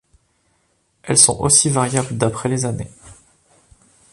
Elles sont aussi variables d'après les années.